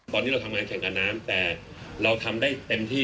ตอนนี้เราทำงานแข่งกับน้ำแต่เราทำได้เต็มที่